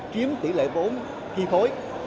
kiếm tỷ lệ vốn khi phối